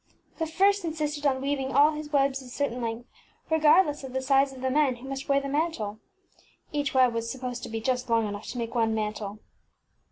The first insisted on weaving all his webs a certain length, regardless of the size of the man who must wear the mantle. (Each web was supposed to be just long enough to make one mantle.)